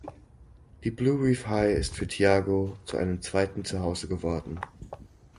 Die Blue Reef High ist für Tiago zu einem zweiten Zuhause geworden.